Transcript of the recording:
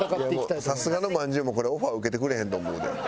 さすがのまんじゅうもこれオファー受けてくれへんと思うで。